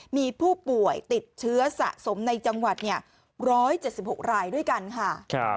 มีผู้ป่วยติดเชื้อสะสมในจังหวัด๑๗๖รายด้วยกันค่ะ